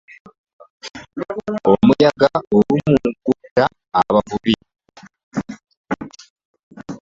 Omuyaga olumu gutta abavubi.